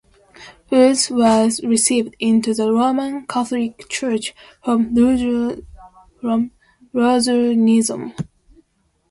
Woods was received into the Roman Catholic Church from Lutheranism.